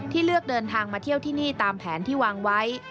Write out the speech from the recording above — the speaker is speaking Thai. เลือกเดินทางมาเที่ยวที่นี่ตามแผนที่วางไว้